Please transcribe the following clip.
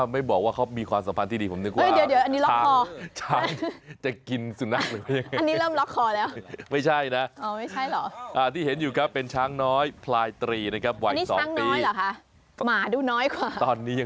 ไม่น่าเชื่อว่าจะเจือดกินได้ครับค่ะ